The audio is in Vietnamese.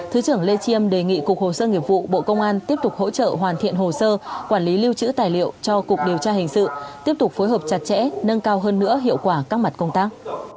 thứ trưởng lê chiêm đề nghị cục hồ sơ nghiệp vụ bộ công an tiếp tục hỗ trợ hoàn thiện hồ sơ quản lý lưu trữ tài liệu cho cục điều tra hình sự tiếp tục phối hợp chặt chẽ nâng cao hơn nữa hiệu quả các mặt công tác